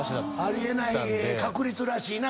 あり得ない確率らしいな。